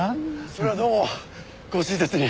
それはどうもご親切に。